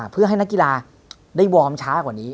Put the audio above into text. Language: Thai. เพื่อให้นักกีฬาได้วอร์มช้ากว่านี้